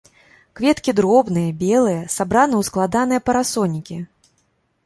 Кветкі дробныя, белыя, сабраны ў складаныя парасонікі.